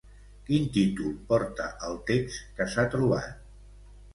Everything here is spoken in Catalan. Quin títol porta el text que s'ha trobat?